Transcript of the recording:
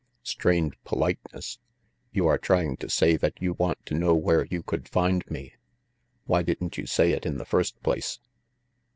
Strained politeness. You are trying to gay that you want to know where you could find me. Why didn't you say it in the first place?